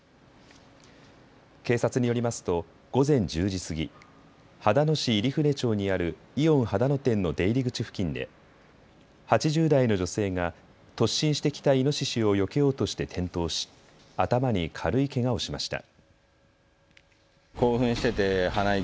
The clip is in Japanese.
警察によりますと午前１０時過ぎ、秦野市入船町にあるイオン秦野店の出入り口付近で８０代の女性が突進してきたイノシシをよけようとして転倒し頭に軽いけがをしました。